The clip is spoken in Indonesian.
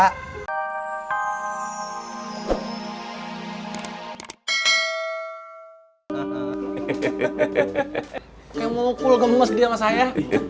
kayak mau ngukul gemes dia sama saya